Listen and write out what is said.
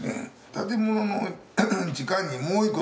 建物の地下にもう一個